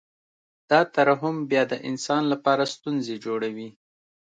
دا ترحم بیا د انسان لپاره ستونزې جوړوي